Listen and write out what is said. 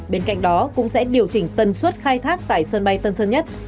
bên cạnh đó cũng sẽ điều chỉnh tần suất khai thác tại sân bay tân sơn nhất